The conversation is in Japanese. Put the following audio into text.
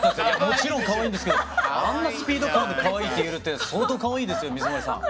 もちろんかわいいんですけどあんなスピード感でかわいいって言えるって相当かわいいですよ水森さん。